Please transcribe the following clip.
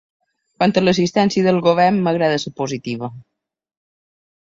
Quant a l’assistència del govern, m’agrada ser positiva.